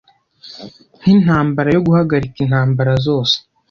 nk'intambara yo guhagarika intambara zose